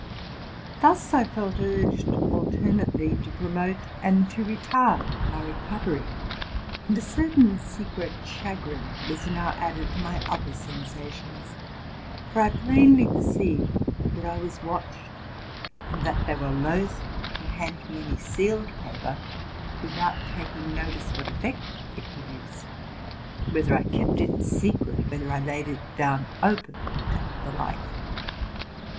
SIXTH BOOK. Tuus I felt urged alternately to promote and to retard my recovery ; and a certain secret chagrin was now added to my other sensations, for I plainly perceived that I was watched, that they were loath to hand me any sealed paper without taking notice what effect it produced, whether I kept it secret, whether I laid it down open and the like.